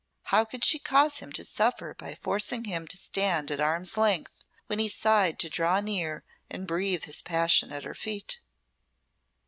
How could she cause him to suffer by forcing him to stand at arm's length when he sighed to draw near and breathe his passion at her feet?